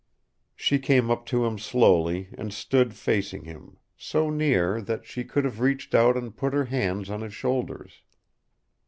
She came up to him slowly and stood facing him, so near that she could have reached out and put her hands on his shoulders.